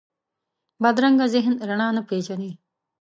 بدرنګه ذهن رڼا نه پېژني